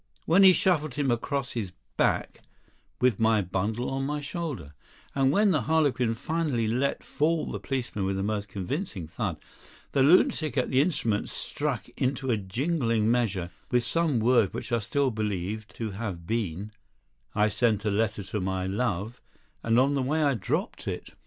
When he shuffled him across his back, "With my bundle on my shoulder," and when the harlequin finally let fall the policeman with a most convincing thud, the lunatic at the instrument struck into a jingling measure with some words which are still believed to have been, "I sent a letter to my love and on the way I dropped it."